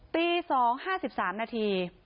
ตี๒๕๓นาที